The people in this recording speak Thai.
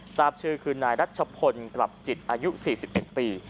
ทราบชื่อคือนายรัชพลกลับจิตอายุ๔๑ปี